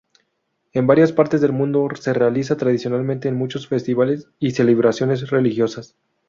En varias partes del mundo se utiliza tradicionalmente en muchos festivales y celebraciones religiosas.